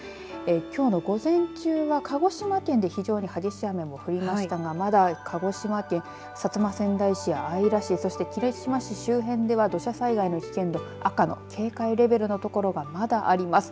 きょうの午前中は鹿児島県で非常に激しい雨も降りましたがまだ鹿児島県薩摩川内市や姶良市そして霧島市周辺では土砂災害の危険度赤の警戒レベルの所がまだあります。